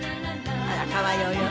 あら可愛いお洋服。